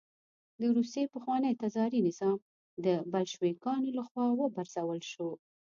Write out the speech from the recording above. د روسیې پخوانی تزاري نظام د بلشویکانو له خوا وپرځول شو